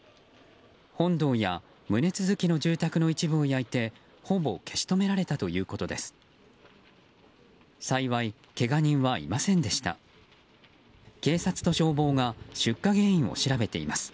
本堂や棟続きの住宅の一部を焼いてほぼ消し止められたということです。